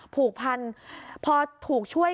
ผูกพันพอถูกช่วย